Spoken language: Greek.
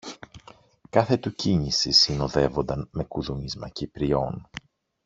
Κάθε του κίνηση συνοδεύονταν με κουδούνισμα κυπριών.